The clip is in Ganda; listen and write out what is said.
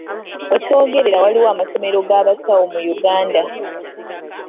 We twogerera waliwo amasomero g'abasawo mu Uganda.